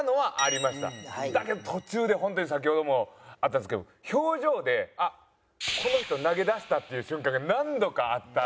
だけど途中で本当に先ほどもあったんですけど表情であっこの人投げ出したっていう瞬間が何度かあった。